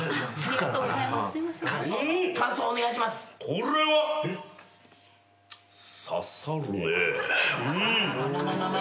これはささるねえ。